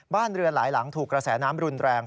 บ้านเรือนหลายหลังถูกกระแสน้ำรุนแรง